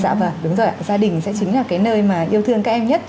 dạ vâng đúng rồi ạ gia đình sẽ chính là cái nơi mà yêu thương các em nhất